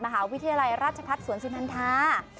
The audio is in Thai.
มหาวิทยาลัยราชพรรถสวนสุนทรา